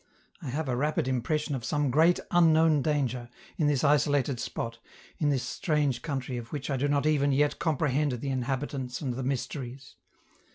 I have a rapid impression of some great unknown danger, in this isolated spot, in this strange country of which I do not even yet comprehend the inhabitants and the mysteries.